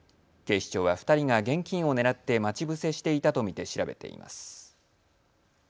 警視庁は２人が現金を狙って待ち伏せしていたと見て調べています。